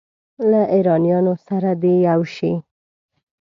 له ایرانیانو سره دې یو شي.